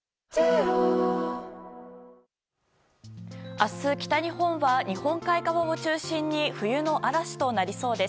明日、北日本は日本海側を中心に冬の嵐となりそうです。